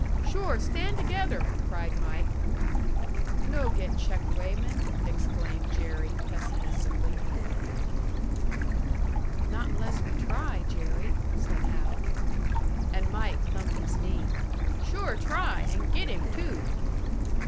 "Sure, stand together!" cried Mike. "No get check weighman!" exclaimed Jerry, pessimistically. "Not unless we try, Jerry," said Hal. And Mike thumped his knee. "Sure try! And get him too!"